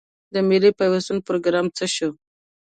د ملي پیوستون پروګرام څه شو؟